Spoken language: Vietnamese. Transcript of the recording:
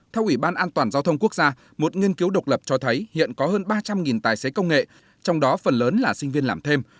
theo ủy ban an toàn giao thông quốc gia một nghiên cứu độc lập cho thấy hiện có hơn ba trăm linh tài xế công nghệ trong đó phần lớn là sinh viên làm thêm